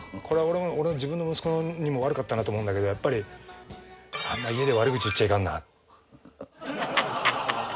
これは自分の息子にも悪かったなと思うんだけどやっぱりあんま家で悪口言っちゃいかんな。